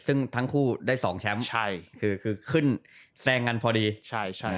ซึ่งทั้งคู่ได้สองแชมป์ใช่คือคือขึ้นแซงกันพอดีใช่ใช่